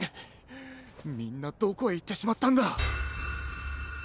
みんなどこへいってしまったんだ。